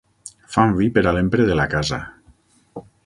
Fan vi per a l'empre de la casa.